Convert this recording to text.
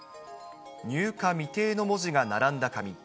入荷未定の文字が並んだ紙。